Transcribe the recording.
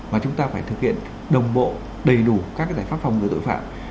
và chúng ta phải thực hiện đồng bộ đầy đủ các giải pháp phòng ngừa tội phạm